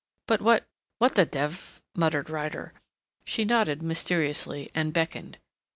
"But what what the dev " muttered Ryder. She nodded mysteriously, and beckoned.